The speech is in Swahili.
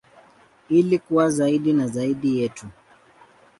Ili kuwa zaidi na zaidi yetu.